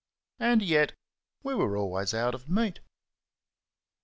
And yet we were always out of meat!